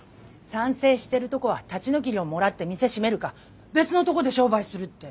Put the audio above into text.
賛成してるとこは立ち退き料もらって店閉めるか別のとこで商売するって。